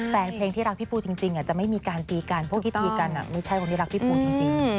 แฟนเพลงที่รักพี่ปูจริงจะไม่มีการตีกันเพราะพิธีกันไม่ใช่คนที่รักพี่ปูจริง